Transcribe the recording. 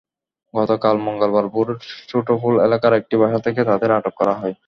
গতকাল মঙ্গলবার ভোরে ছোটপুল এলাকার একটি বাসা থেকে তাঁদের আটক করা হয়।